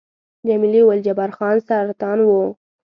جميلې وويل:، جبار خان سرطان وو؟